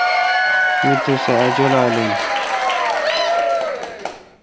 می تو سہ۔ اجولال این۔